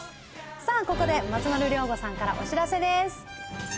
さあ、ここで松丸亮吾さんからお知らせです。